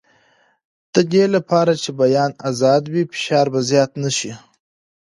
د دې لپاره چې بیان ازاد وي، فشار به زیات نه شي.